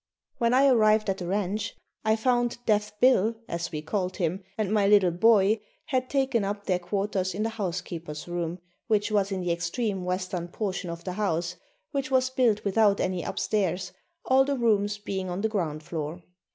When I arrived at the ranch I found Deaf Bill, as we called him, and my little boy had taken up their quarters in the housekeeper's room, which was in the extreme western portion of the house, which was built without any upstairs, all the rooms being on the ground floor.